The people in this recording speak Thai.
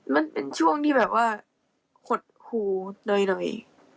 มันเป็นช่วงที่แบบว่าหดหูหน่อย